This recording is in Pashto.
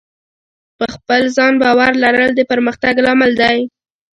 په خپل ځان باور لرل د پرمختګ لامل دی.